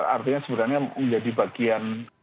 artinya sebenarnya menjadi bagian